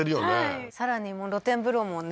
はいさらに露天風呂もね